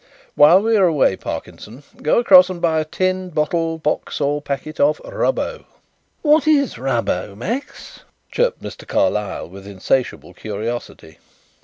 "While we are away, Parkinson, go across and buy a tin, bottle, box or packet of 'Rubbo.'" "What is 'Rubbo,' Max?" chirped Mr. Carlyle with insatiable curiosity.